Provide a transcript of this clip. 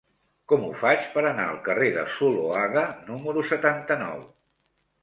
Com ho faig per anar al carrer de Zuloaga número setanta-nou?